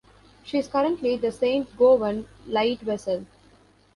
She is currently the Saint Gowan lightvessel.